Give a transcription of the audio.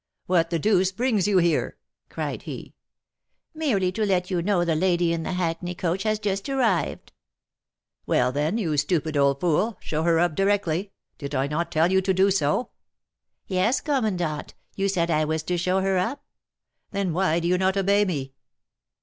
'What the deuce brings you here?' cried he. 'Merely to let you know the lady in the hackney coach has just arrived!' 'Well, then, you stupid old fool, show her up directly. Did I not tell you to do so?' 'Yes, commandant; you said I was to show her up.' 'Then why do you not obey me?'